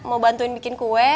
mau bantuin bikin kue